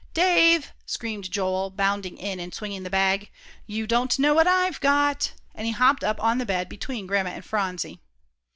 "Dave," screamed Joel, bounding in, and swinging the bag, "you don't know what I've got," and he hopped up on the bed between Grandma and Phronsie.